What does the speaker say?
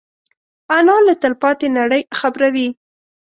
انا له تلپاتې نړۍ خبروي